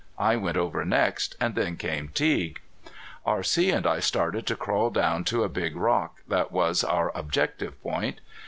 I went over next, and then came Teague. R.C. and I started to crawl down to a big rock that was our objective point.